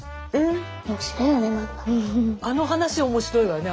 あの話面白いわよね